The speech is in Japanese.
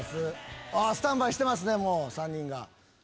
スタンバイしてますね３人が。